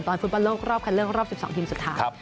ฟุตบอลโลกรอบคันเลือกรอบ๑๒ทีมสุดท้าย